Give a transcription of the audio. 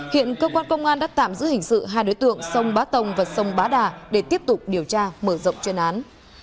hiện cơ quan công an đã tạm giữ hình sự hai đối tượng sông bá tồng và sông bá đà để tiếp tục điều tra mở rộng chuyên án